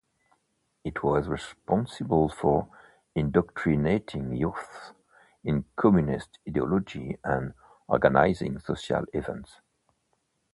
It was responsible for indoctrinating youths in communist ideology and organizing social events.